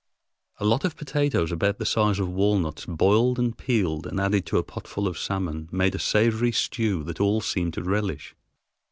A lot of potatoes about the size of walnuts, boiled and peeled and added to a potful of salmon, made a savory stew that all seemed to relish.